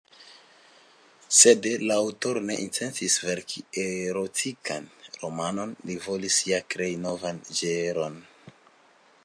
Sed la aŭtoro ne intencis verki erotikan romanon, li volis ja krei novan ĝenron.